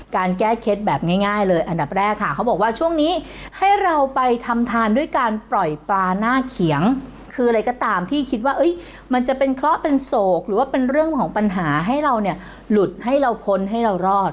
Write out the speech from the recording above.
การแก้เคล็ดแบบง่ายเลยอันดับแรกค่ะเขาบอกว่าช่วงนี้ให้เราไปทำทานด้วยการปล่อยปลาหน้าเขียงคืออะไรก็ตามที่คิดว่ามันจะเป็นเคราะห์เป็นโศกหรือว่าเป็นเรื่องของปัญหาให้เราเนี่ยหลุดให้เราพ้นให้เรารอด